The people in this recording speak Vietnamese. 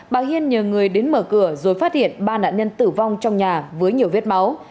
bà hiên nhờ người đến mở cửa rồi phát hiện ba nạn nhân tử vong trong nhà với nhiều vết máu